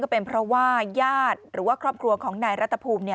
เป็นเพราะว่าญาติหรือว่าครอบครัวของนายรัฐภูมิ